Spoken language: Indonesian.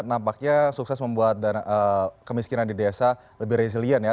nampaknya sukses membuat kemiskinan di desa lebih resilient ya